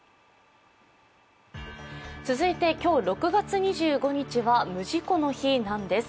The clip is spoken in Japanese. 続いて今日６月２５日は無事故の日なんです。